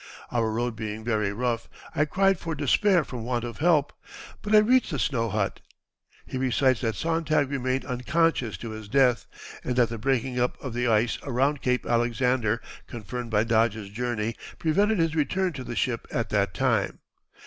Our road being very rough, I cried for despair from want of help; but I reached the snow hut." He recites that Sontag remained unconscious to his death, and that the breaking up of the ice around Cape Alexander, confirmed by Dodge's journey, prevented his return to the ship at that time.